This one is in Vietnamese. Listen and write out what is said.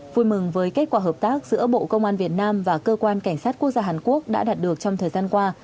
vui mừng với kết quả hợp tác giữa bộ công an việt nam và cơ quan cảnh sát quốc gia hàn quốc đã đạt được trong thời gian qua